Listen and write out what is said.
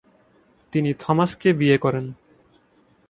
তিনি থমাসকে বিয়ে করেন।